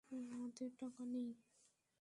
আমাদের টাকা নেই।